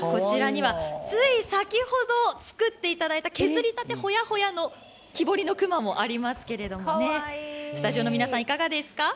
こちらには、つい先ほど作っていただいた、削りたてほやほやの木彫りの熊もありますけれども、スタジオの皆さん、いかがですか。